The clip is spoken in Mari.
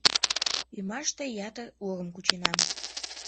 Ӱмаште ятыр урым кученам.